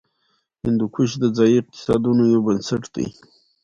هندوکش د ځایي اقتصادونو یو بنسټ دی.